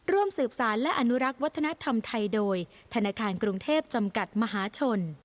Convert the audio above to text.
ร่วมสืบสารและอนุรักษ์วัฒนธรรมไทยโดยธนาคารกรุงเทพจำกัดมหาชน